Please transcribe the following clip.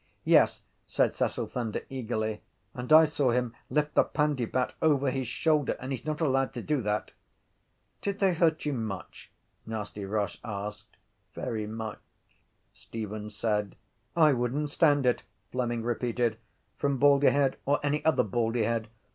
—Yes, said Cecil Thunder eagerly, and I saw him lift the pandybat over his shoulder and he’s not allowed to do that. —Did they hurt you much? Nasty Roche asked. —Very much, Stephen said. —I wouldn’t stand it, Fleming repeated, from Baldyhead or any other Baldyhead.